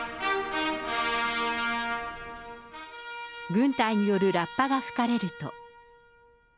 軍隊によるラッパが吹かれると。